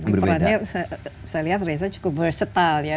ini perannya saya lihat reza cukup versatile ya